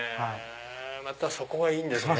またそこがいいんですね。